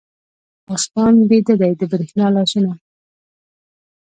آسمان بیده دی، د بریښنا لاسونه